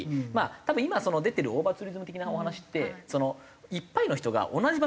多分今出てるオーバーツーリズム的なお話っていっぱいの人が同じ場所に来るんですよ。